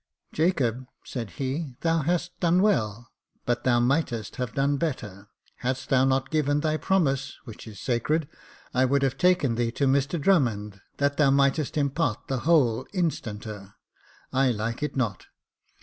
Jacob," said he, " thou hast done well, but thou mightest have done better ; hadst thou not given thy promise, which is sacred, I would have taken thee to Mr Drummond, that thou mightest impart the whole, instanter. I like it not.